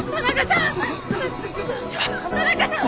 田中さん！